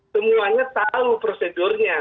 semuanya tahu prosedurnya